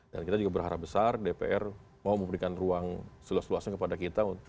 dan kita juga berharap besar dpr mau memberikan ruang seluas luasnya kepada kita